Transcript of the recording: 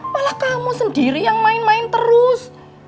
malah kamu sendiri yang main main terus